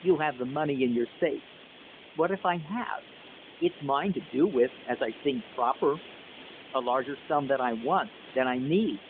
"You have the money in your safe!" "What if I have? It's mine to do with as I think proper." "A larger sum than I want than I need!"